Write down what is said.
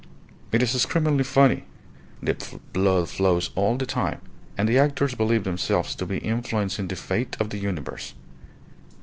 It is screamingly funny, the blood flows all the time, and the actors believe themselves to be influencing the fate of the universe.